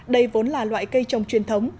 đây vốn là loại cây trồng truyền thống